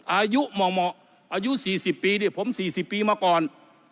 อายุหม่ออายุ๔๐ปีผม๔๐ปีมาก่อน